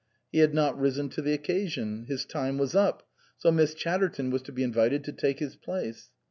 He had not risen to the occasion ; his time was up, so Miss Chatterton was to be invited to take his place.